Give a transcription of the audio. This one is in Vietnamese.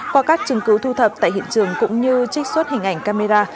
qua các chứng cứ thu thập tại hiện trường cũng như trích xuất hình ảnh camera